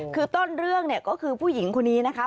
คือต้นเรื่องเนี่ยก็คือผู้หญิงคนนี้นะคะ